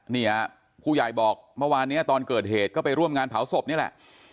เนี่ยผู้ใหญ่บอกเมื่อวานนี้ตอนเกิดเหตุก็ไปร่วมงานเผาศพนี่แหละ